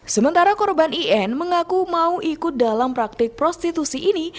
sementara korban in mengaku mau ikut dalam praktik prostitusi ini